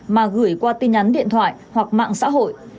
mà gửi qua tin nhắn điện thoại hoặc mạng xã hội